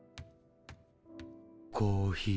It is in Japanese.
コーヒー。